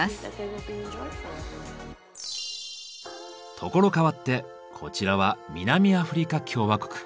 所変わってこちらは南アフリカ共和国。